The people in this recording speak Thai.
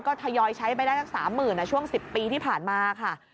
ก็ทยอยใช้ไปได้สัก๓๐๐๐ช่วง๑๐ปีที่ผ่านมาค่ะ